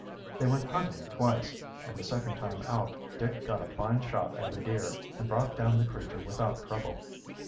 They went hunting twice, and the second time out Dick got a fine shot at a deer, and brought down the creature without trouble.